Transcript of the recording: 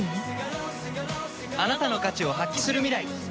あなたの価値を発揮する未来。